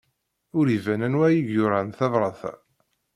Ur iban anwa ay yuran tabṛat-a.